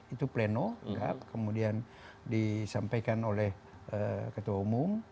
itu pleno kemudian disampaikan oleh ketua umum